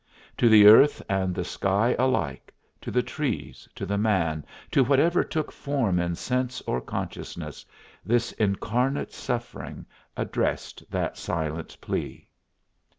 To the earth and the sky alike, to the trees, to the man, to whatever took form in sense or consciousness, this incarnate suffering addressed that silent plea.